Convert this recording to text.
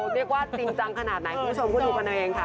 เรียกว่าจริงจังขนาดไหนคุณผู้ชมก็ดูกันเอาเองค่ะ